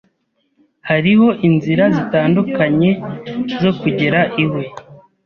Hariho inzira zitandukanye zo kugera iwe.